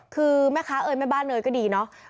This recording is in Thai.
คือแม่ค้าเอ่ยแม่บ้านเนยก็ดีเนาะ